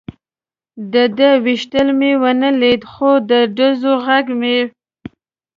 د ده وېشتل مې و نه لیدل، خو د ډزو غږ مې.